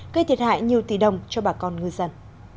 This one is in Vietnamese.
gây thiệt hại nhiều tỷ đồng cho bà con ngư dân